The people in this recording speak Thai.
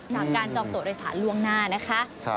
จากการจองตัวโดยสารล่วงหน้านะคะ